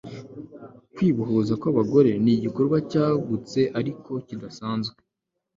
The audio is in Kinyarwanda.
Kwibohoza kwabagore nigikorwa cyagutse ariko kidasanzwe